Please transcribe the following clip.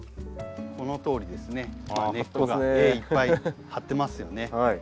このとおりですね根っこがいっぱい張ってますよね。